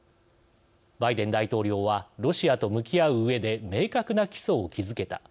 バイデン大統領は「ロシアと向き合ううえで明確な基礎を築けた」